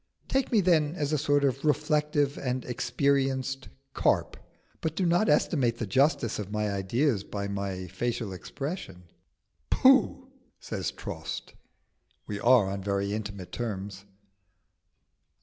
Take me then as a sort of reflective and experienced carp; but do not estimate the justice of my ideas by my facial expression." "Pooh!" says Trost. (We are on very intimate terms.)